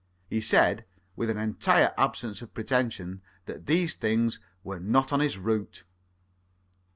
He said, with an entire absence of pretension, that these things were not on his route.